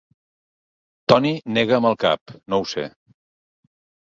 Tony nega amb el cap; no ho sé.